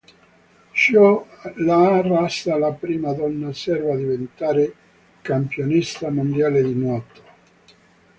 Ciò l'ha resa la prima donna serba a diventare campionessa mondiale di nuoto.